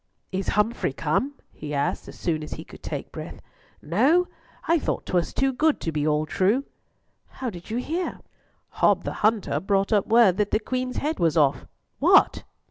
"Is Humfrey come?" he asked as soon as he could take breath. "No? I thought 'twas too good to be all true." "How did you hear?" "Hob the hunter brought up word that the Queen's head was off. What?"